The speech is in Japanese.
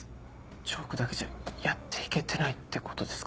チョークだけじゃやっていけてないってことですか？